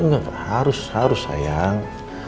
oh enggak papa harus harus sayang